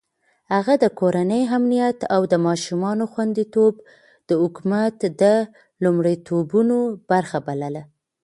هغه د کورنۍ امنيت او د ماشومانو خونديتوب د حکومت د لومړيتوبونو برخه بلله.